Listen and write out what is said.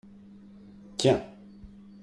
Tiens